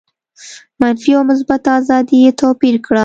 منفي او مثبته آزادي یې توپیر کړه.